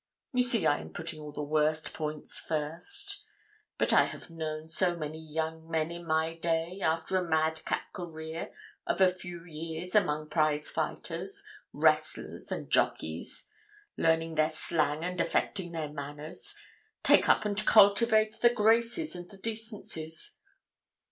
You see, I am putting all the worst points first. But I have known so many young men in my day, after a madcap career of a few years among prizefighters, wrestlers, and jockeys learning their slang and affecting their manners take up and cultivate the graces and the decencies.